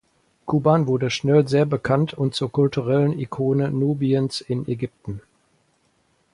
Kuban wurde schnell sehr bekannt und zur kulturellen Ikone Nubiens in Ägypten.